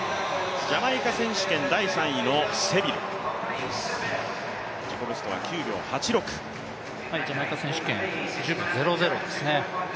ジャマイカ選手権第３位のセビル、自己ベストは９秒８６ジャマイカ選手権１０秒００ですね。